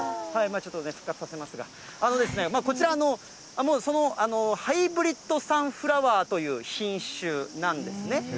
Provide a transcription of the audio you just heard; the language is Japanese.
ちょっとね、復活させますが、こちら、もうハイブリッドサンフラワーという品種なんですね。